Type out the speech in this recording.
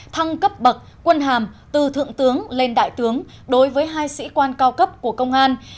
thăng cấp bậc quân hàm từ thượng tướng lên đại tướng đối với hai sĩ quan cao cấp của công an